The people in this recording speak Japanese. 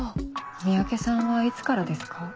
三宅さんはいつからですか？